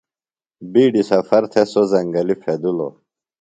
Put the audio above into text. بیڈیۡ سفر تھےۡ سوۡ زنگلیۡ پھیدِلوۡ۔